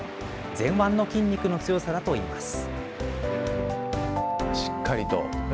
前腕の筋肉の強さだといいます。